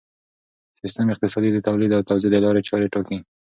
سیستم اقتصادي د تولید او توزیع د لارې چارې ټاکي.